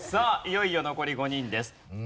いよいよ残り５人です。